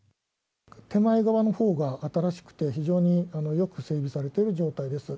手前側のほうが新しくて非常によく整備されている状況です。